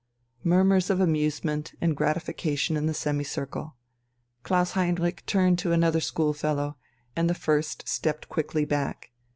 Murmurs of amusement and gratification in the semicircle. Klaus Heinrich turned to another schoolfellow, and the first stepped quickly back.